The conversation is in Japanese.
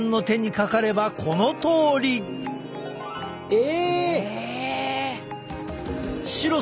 え？